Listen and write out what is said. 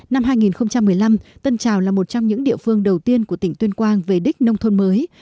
năm hai nghìn một mươi năm tân trào là một trong những địa phương đầu tiên của tỉnh tuyên quang về đích nông thôn mới